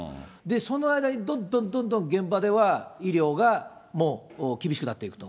その間にどんどんどんどん現場では医療がもう厳しくなっていくと。